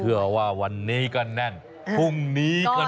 เพื่อว่าวันนี้ก็แน่นพรุ่งนี้ก็